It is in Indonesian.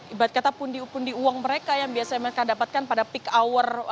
ibarat kata pundi pundi uang mereka yang biasanya mereka dapatkan pada peak hour